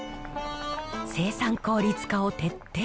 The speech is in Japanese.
生産効率化を徹底。